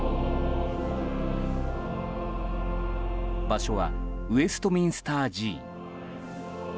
場所はウェストミンスター寺院。